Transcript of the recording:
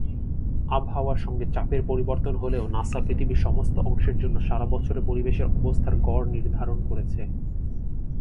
আবহাওয়ার সঙ্গে চাপের পরিবর্তন হলেও, নাসা পৃথিবীর সমস্ত অংশের জন্য সারা বছরের পরিবেশের অবস্থার গড় নির্ধারণ করেছে।